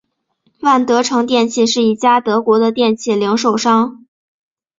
万得城电器是一家德国的电器零售商。